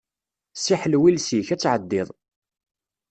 Ssiḥlew iles-ik, ad tɛeddiḍ.